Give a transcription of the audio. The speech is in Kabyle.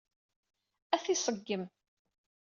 Ad t-iṣeggem.